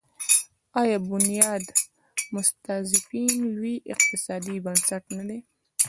آیا بنیاد مستضعفین لوی اقتصادي بنسټ نه دی؟